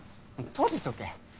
閉じとけ！